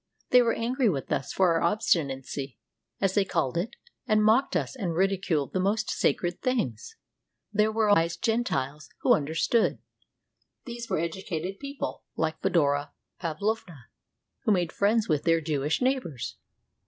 They were angry with us for our obstinacy, as they called it, and mocked us and ridiculed the most sacred things. There were wise Gentiles who understood. These were educated people, like Fedora Pavlovna, who made friends with their Jewish neighbors.